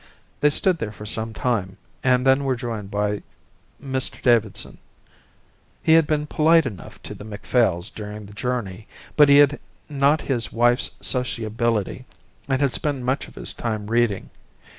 They stood there for some time and then were joined by Mr Davidson. He had been polite enough to the Macphails during the journey, but he had not his wife's sociability, and had spent much of his time reading.